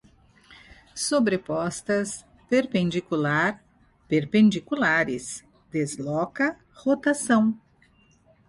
sobrepostas, perpendicular, perpendiculares, desloca, rotação